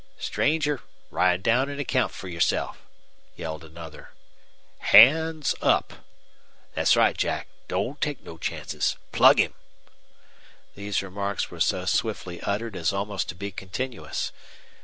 "Stranger, ride down an' account fer yourself!" yelled another. "Hands up!" "Thet's right, Jack; don't take no chances. Plug him!" These remarks were so swiftly uttered as almost to be continuous.